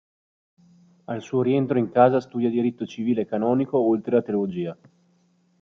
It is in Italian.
Al suo rientro in casa studia diritto civile e canonico oltre a teologia.